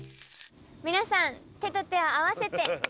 皆さん手と手を合わせてご一緒に。